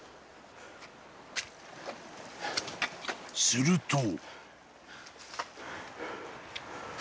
［すると］